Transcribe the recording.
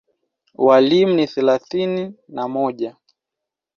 Walimu ni thelathini na mmoja.